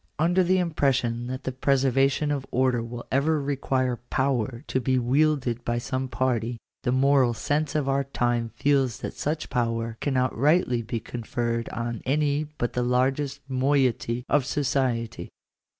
Under the impression that the preservation of order will . J ever require power to be wielded by some party, the moral sense of our time feels that such power cannot rightly bo conferred on any but the largest moiety of society.